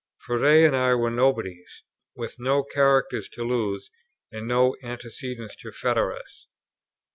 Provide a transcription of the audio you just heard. Froude and I were nobodies; with no characters to lose, and no antecedents to fetter us.